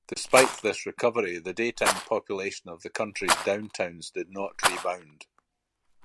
Despite this recovery, the daytime population of the country's downtowns did not rebound.